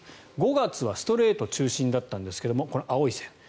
５月はストレート中心だったんですがこの青い線。